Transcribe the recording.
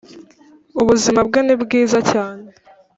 ubuzima bwe ni bwiza cyane